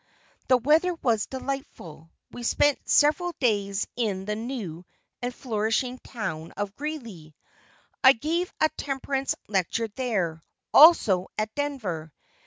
The weather was delightful. We spent several days in the new and flourishing town of Greeley. I gave a temperance lecture there; also at Denver.